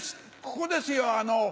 ここですよ。